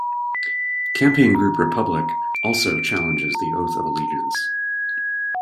Campaign group 'Republic' also challenges the oath of allegiance.